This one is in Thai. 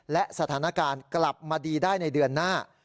และสถานการณ์กลับมาดีได้ในเดือนหน้า